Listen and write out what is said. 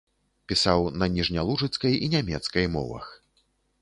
Пісаў на ніжнялужыцкай і нямецкай мовах.